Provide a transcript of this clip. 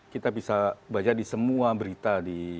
kita bisa baca di semua berita di